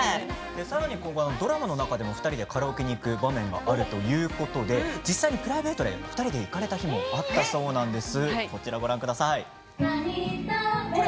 ドラマの中でも２人でカラオケに行く場面があるということで実際にプライベートで２人で行かれた時もあったそうなんです。